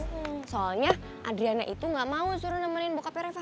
wah soalnya adriana itu nggak mau suruh nemenin bokapnya reva